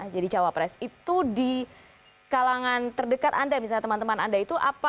jadi cawapres itu di kalangan terdekat anda misalnya teman teman anda itu